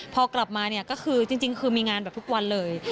พอกลับมาจริงคือมีงานแบบทุกวันเลย